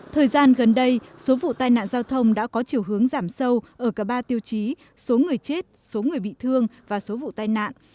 thời gian gần đây số vụ tai nạn giao thông đã có chiều hướng giảm sâu ở cả ba tiêu chí số người chết số người bị thương và số vụ tai nạn